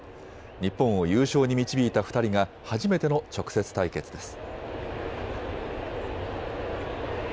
日本を優勝に導いた２人が初めての直接対決です。